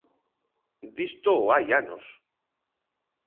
Disto hai anos.